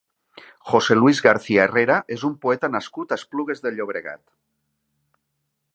José Luis García Herrera és un poeta nascut a Esplugues de Llobregat.